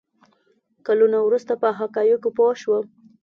کلونه وروسته په حقایقو پوه شوم.